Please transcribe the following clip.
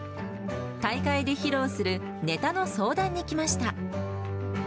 大会で披露するネタの相談に来ました。